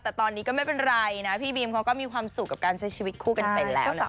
แต่ตอนนี้ก็ไม่เป็นไรนะพี่บีมเขาก็มีความสุขกับการใช้ชีวิตคู่กันเป็นแล้วนะคะ